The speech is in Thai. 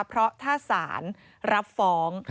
เพราะถ้าศาลรับฟ้อง